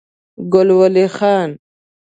ګل ولي خان